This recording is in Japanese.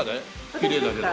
きれいだけど。